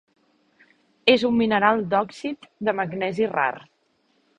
És un mineral d'òxid de magnesi rar.